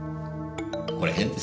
これ変ですよね？